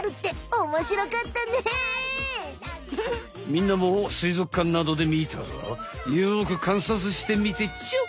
みんなもすいぞくかんなどでみたらよくかんさつしてみてちょ！